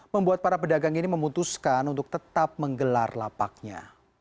membuat para pedagang ini memutuskan untuk tetap menggelar lapaknya